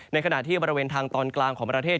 ในขณะที่บริเวณทางตอนกลางของประเทศ